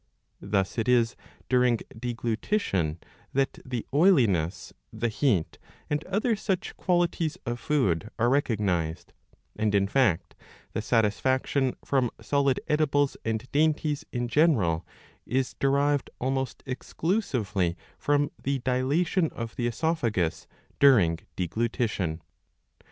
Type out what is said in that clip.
Thus it is during deglutition that the oiliness, the heat, and other such qualifies of food, are recognised ; and in fact the satisfaction from solid edibles and dainties in general is derived almost exclusively from the dilatation of the oesophagus during deglutition.